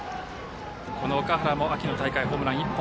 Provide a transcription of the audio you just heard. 岳原も秋の大会ホームラン１本。